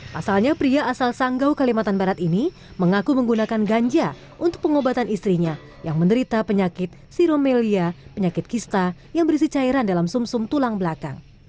pasalnya pria asal sanggau kalimantan barat ini mengaku menggunakan ganja untuk pengobatan istrinya yang menderita penyakit siromelia penyakit kista yang berisi cairan dalam sum sum tulang belakang